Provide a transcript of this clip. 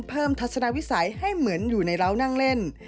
ทัศนวิสัยให้เหมือนอยู่ในร้าวนั่งเล่น